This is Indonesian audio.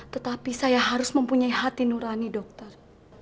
tetapi saya harus mempunyai hati nurani dokter